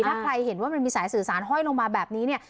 ถ้าใครเห็นว่ามันมีสายสื่อสารห้อยลงมาแบบนี้เนี่ย